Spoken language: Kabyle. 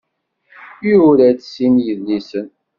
Yura-d sin n yidlisen.